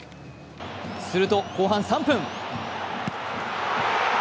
すると後半３分。